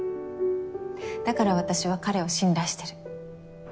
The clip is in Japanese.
だから私は彼を信頼してる。